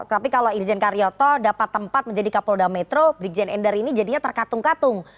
tapi kalau irjen karyoto dapat tempat menjadi kapolda metro brigjen endar ini jadinya terkatung katung